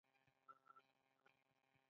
د افغانستان تر ځمکې لاندې خزانې خورا زیاتې دي.